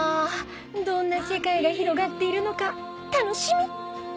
どんな世界が広がっているのか楽しみ！